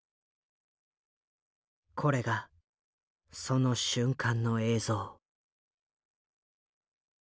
これがその瞬間の映像。